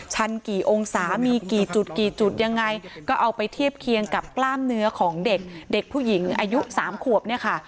ันกี่องศามีกี่จุดกี่จุดยังไงก็เอาไปเทียบเคียงกับกล้ามเนื้อของเด็กเด็กผู้หญิงอายุสามขวบเนี่ยค่ะ